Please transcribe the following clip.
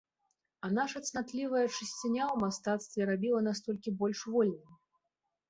А наша цнатлівая чысціня ў мастацтве рабіла нас толькі больш вольнымі.